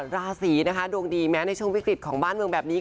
ราศีนะคะดวงดีแม้ในช่วงวิกฤตของบ้านเมืองแบบนี้